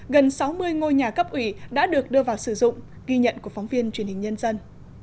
gần sáu mươi ngôi nhà cấp ủy đã được đưa vào sử dụng ghi nhận của phóng viên truyền hình nhân dân